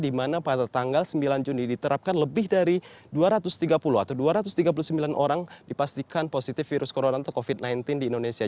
di mana pada tanggal sembilan juni diterapkan lebih dari dua ratus tiga puluh atau dua ratus tiga puluh sembilan orang dipastikan positif virus corona atau covid sembilan belas di indonesia